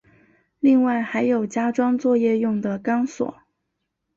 另外还有加装作业用的钢索。